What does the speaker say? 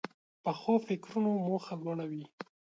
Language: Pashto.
پخو فکرونو موخه لوړه وي